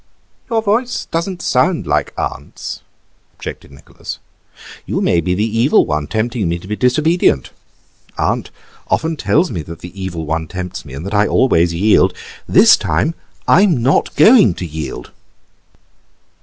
"Your voice doesn't sound like aunt's," objected Nicholas; "you may be the Evil One tempting me to be disobedient. Aunt often tells me that the Evil One tempts me and that I always yield. This time I'm not going to yield."